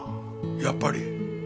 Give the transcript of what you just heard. やっぱり。